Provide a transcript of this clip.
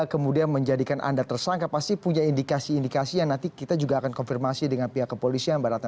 kemudian menjadikan anda tersangka pasti punya indikasi indikasi yang nanti kita juga akan konfirmasi dengan pihak kepolisian mbak ratna